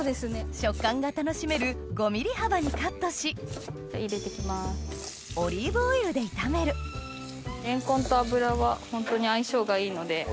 食感が楽しめる５ｍｍ幅にカットしオリーブオイルで炒めるレンコンと油はホントに相性がいいので。